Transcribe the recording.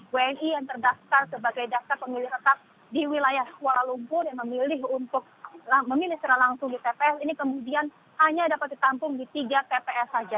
wni yang terdaftar sebagai daftar pemilih tetap di wilayah kuala lumpur yang memilih untuk memilih secara langsung di tps ini kemudian hanya dapat ditampung di tiga tps saja